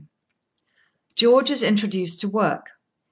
George is introduced to work.